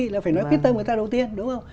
là phải nói quyết tâm người ta đầu tiên đúng không